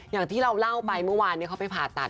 อย่างที่เราเล่าไปเมื่อวานเขาไปผ่าตัด